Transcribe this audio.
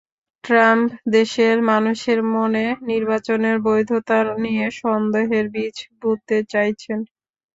Trump দেশের মানুষের মনে নির্বাচনের বৈধতা নিয়ে সন্দেহের বীজ বুনতে চাইছেন।